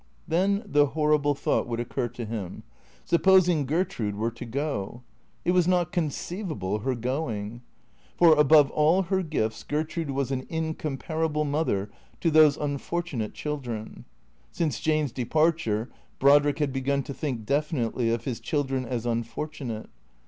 Then the horrible thought would occur to him: supposing Gertrude were to go? It was not conceivable, her going. For, above all her gifts, Gertrude was an incomparable mother to those unfortunate children (since Jane's departure Brodrick had begun to think definitely of his children as unfortunate).